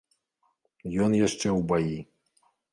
Ён яшчэ ў баі.